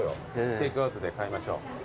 テークアウトで買いましょう。